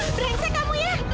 berensek kamu ya